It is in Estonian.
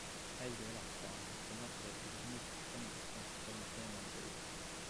Väldi elastaani, see materjal kogub niiskust endasse, selmet eemale suruda.